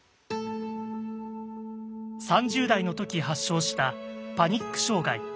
３０代の時発症したパニック障害。